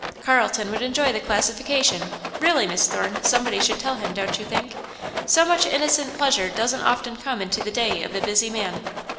"Carlton would enjoy the classification really, Miss Thorne, somebody should tell him, don't you think? So much innocent pleasure doesn't often come into the day of a busy man."